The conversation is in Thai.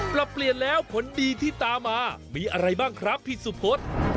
ปรับเปลี่ยนแล้วผลดีที่ตามมามีอะไรบ้างครับพี่สุพธ